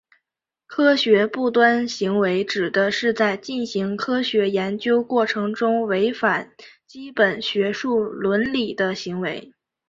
科学不端行为指的是在进行科学研究过程中违反基本学术伦理的行为。